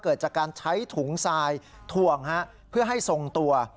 เกิดจากการใช้ถุงทรายถ่วงเพื่อให้ทรงตัว